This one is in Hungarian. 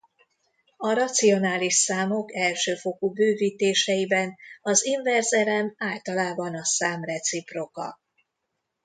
A racionális számok elsőfokú bővítéseiben az inverz elem általában a szám reciproka.